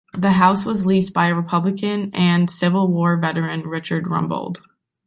The house was leased by a republican and Civil War veteran, Richard Rumbold.